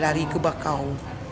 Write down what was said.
lari ke bakau